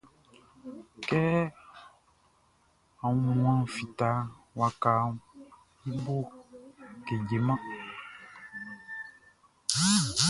Kɛ aunmuanʼn fitaʼn, wakaʼn i boʼn kejeman.